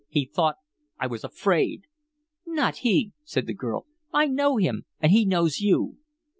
He thought I was afraid " "Not he," said the girl. "I know him and he knows you."